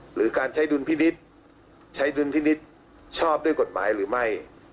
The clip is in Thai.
หรือการใช้ดุลพินิษฐ์ใช้ดุลพินิษฐ์ชอบด้วยกฎหมายหรือไม่